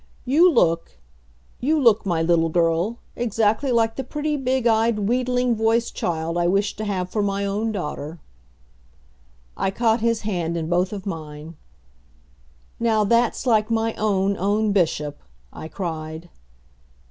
"You look you look, my little girl, exactly like the pretty, big eyed, wheedling voiced child I wished to have for my own daughter." I caught his hand in both of mine. "Now, that's like my own, own Bishop!" I cried.